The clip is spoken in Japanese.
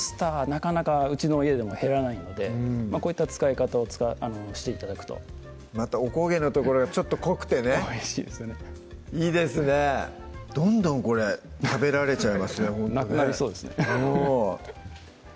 なかなかうちの家でも減らないのでこういった使い方をして頂くとまたおこげの所がちょっと濃くてねおいしいですよねいいですねどんどん食べられちゃいますねなくなりそうですね